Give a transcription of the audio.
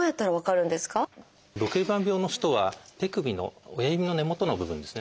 ドケルバン病の人は手首の親指の根元の部分ですね